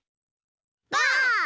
ばあっ！